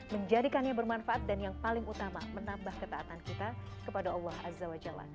menjadikannya bermanfaat dan yang paling utama menambah ketaatan kita kepada allah azza wa jalla